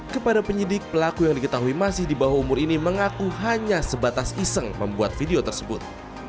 kepada penyidik pelaku yang diketahui masih di bawah umur ini mengaku hanya sebatas iseng membuat video tersebut